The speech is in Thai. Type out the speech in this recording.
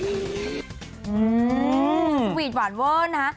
อืมสวีทหวานเวิ้ลนะ